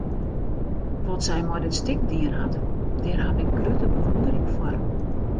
Wat sy mei dit stik dien hat, dêr haw ik grutte bewûndering foar.